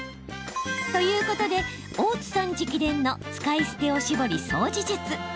ということで、大津さん直伝の使い捨ておしぼり掃除術。